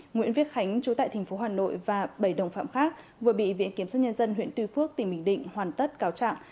nguyễn viết khánh chú tại tp hà nội và bảy đồng phạm khác vừa bị viện kiểm sát nhân dân huyện tuy phước tỉnh bình định hoàn tất cáo trạng